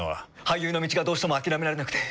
俳優の道がどうしても諦められなくて。